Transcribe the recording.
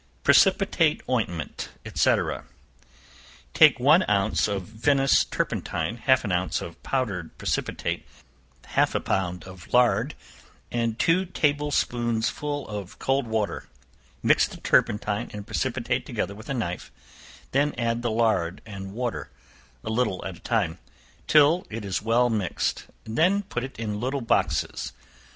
Precipitate Ointment, &c. Take one ounce of Venice turpentine, half an ounce of powdered precipitate, half a pound of lard, and two table spoonsful of cold water; mix the turpentine and precipitate together with a knife; then add the lard and water, a little at a time, till it is well mixed; then put it in little boxes.